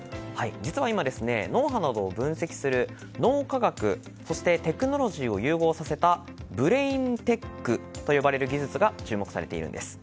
実は今脳波などを分析する脳科学そしてテクノロジーを融合させたブレインテックと呼ばれる技術が注目されているんです。